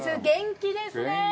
元気ですね！